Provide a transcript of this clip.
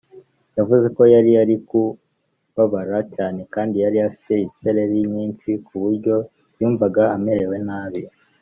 yavuze ko yari ari kubabara cyane kandi yari afite isereri nyinshi ku buryo yumvaga amerewe nabi